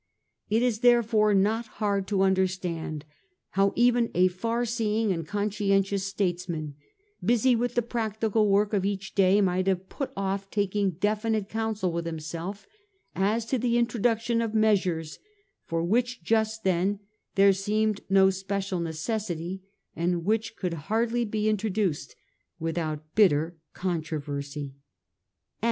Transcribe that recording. It is therefore not hard to under stand how even a far seeing and conscientious states man busy with the practical work of each day might have put off taking definite counsel with himself as to the introduction of measures for which just then there seemed no special necessity, and which could hardly be introduced without bitter controversy.